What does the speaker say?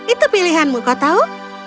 itu pilihanmu kau tahu